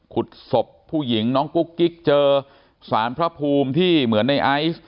ขุดศพผู้หญิงน้องกุ๊กกิ๊กเจอสารพระภูมิที่เหมือนในไอซ์